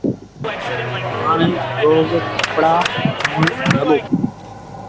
هآڻي روز ڪپڙآ ڌوڻ لڳو۔